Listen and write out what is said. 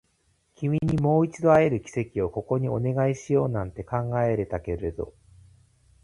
君にもう一度出会える奇跡をここにお願いしようなんて考えたけれど